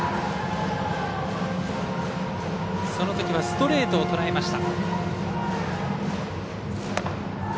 そのときはストレートをとらえました。